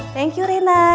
thank you rena